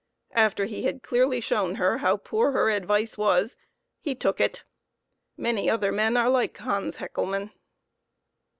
After he had clearly shown her how poor her advice was, he took it. Many other men are like Hans Heck lemann.